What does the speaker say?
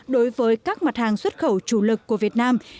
đối với các mặt hàng xuất khẩu chủ lực của việt nam